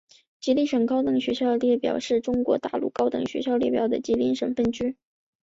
吉林省高等学校列表是中国大陆高等学校列表的吉林省部分。